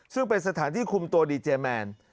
ซึ่งเป็นสถานที่คุมตัวดีเจแมน